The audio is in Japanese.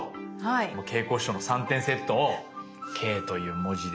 もう桂子師匠の３点セットを「Ｋ」という文字で。